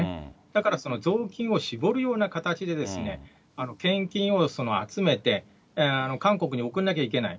だから雑巾を絞るような形で献金を集めて、韓国に送んなきゃいけない。